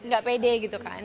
gak pede gitu kan